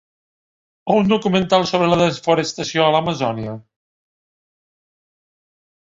O un documental sobre la desforestació a l'Amazònia?